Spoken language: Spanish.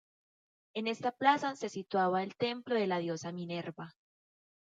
En esta plaza se situaba el templo de la diosa Minerva.